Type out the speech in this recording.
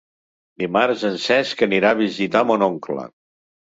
Dimarts en Cesc anirà a visitar mon oncle.